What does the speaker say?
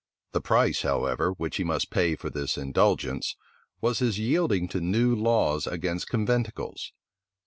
The price, however, which he must pay for this indulgence, was his yielding to new laws against conventicles.